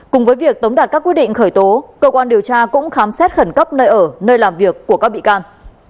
cùng với việc tống đạt các quyết định khởi tố cơ quan điều tra cũng khám xét khẩn cấp nơi ở nơi làm việc của các bị can